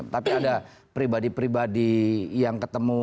tapi ada pribadi pribadi yang ketemu